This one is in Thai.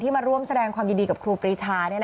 มาร่วมแสดงความยินดีกับครูปรีชา